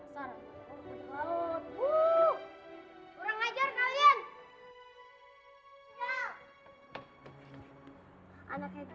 dasar anak bajak laut